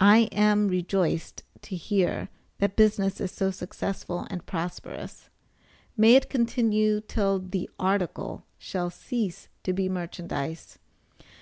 I am rejoiced to hear that business is so successful and prosperous may it continue till the article shall cease to be merchandize.